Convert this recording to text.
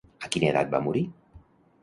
A quina edat va morir?